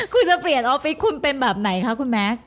คุณจะเปลี่ยนออฟฟิศคุณเป็นแบบไหนคะคุณแม็กซ